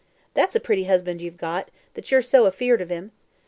That's a pretty husband you've got that you're so afeard of him.